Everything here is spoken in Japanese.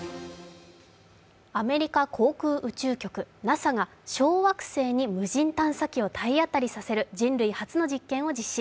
アメリカ航空宇宙局ＮＡＳＡが小惑星に無人探査機を体当たりさせる、人類初の実験を実施。